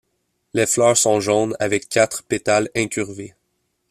Le fleurs sont jaunes avec quatre pétales incurvés.